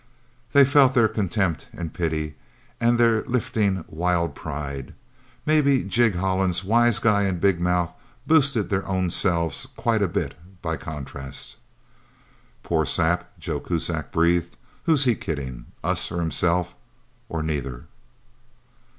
They felt their contempt and pity, and their lifting, wild pride. Maybe Jig Hollins, wise guy and big mouth, boosted their own selves quite a bit, by contrast. "Poor sap," Joe Kuzak breathed. "Who's he kidding us or himself, or neither...?"